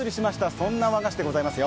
そんな和菓子でございますよ。